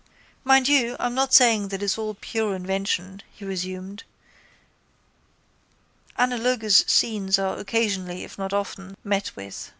—Mind you, I'm not saying that it's all a pure invention, he resumed. Analogous scenes are occasionally, if not often, met with.